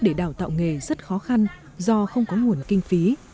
để đào tạo nghề rất khó khăn do không có nguồn kinh phí